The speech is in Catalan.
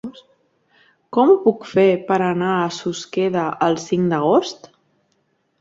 Com ho puc fer per anar a Susqueda el cinc d'agost?